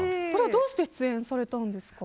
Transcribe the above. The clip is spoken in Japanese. どうして出演されたんですか。